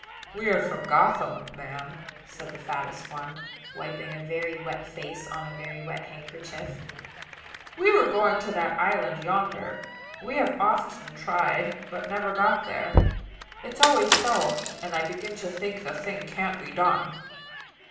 "We are from Gotham, ma'am," said the fattest one, wiping a very wet face on a very wet handkerchief. "We were going to that island yonder. We have often tried, but never got there: it's always so, and I begin to think the thing can't be done."